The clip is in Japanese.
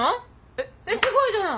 えっすごいじゃない！